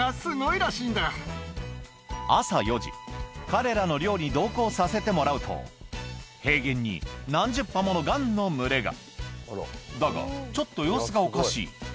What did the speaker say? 彼らの猟に同行させてもらうと平原に何十羽ものガンの群れがだがちょっと様子がおかしい